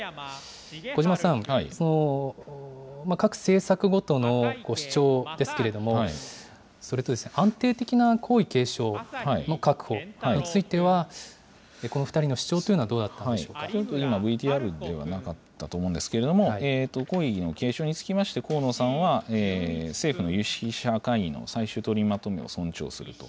小嶋さん、各政策ごとの主張ですけれども、それと安定的な皇位継承の確保については、この２人の主張というＶＴＲではなかったと思うんですけれども、皇位継承につきまして河野さんは、政府の有識者会議の最終取りまとめを尊重すると。